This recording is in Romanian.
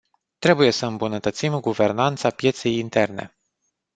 Trebuie să îmbunătățim guvernanța pieței interne.